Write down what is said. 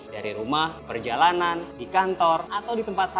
dari rumah perjalanan di kantor atau di tempat saya